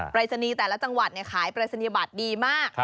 รายศนีย์แต่ละจังหวัดขายปรายศนียบัตรดีมาก